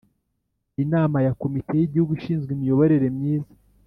Inama ya komite y’ Igihugu ishinzwe imiyobore myiza